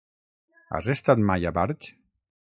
Has estat mai a Barx?